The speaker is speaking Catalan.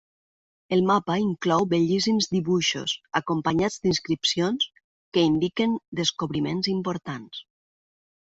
El mapa inclou bellíssims dibuixos, acompanyats d'inscripcions que indiquen descobriments importants.